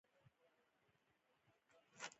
خوست د ملت د بنسټ ډبره ده.